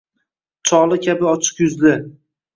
Choli kabi ochiq yuzli